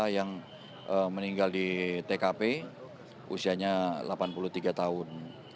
yang meninggal di tkp usianya delapan puluh tiga tahun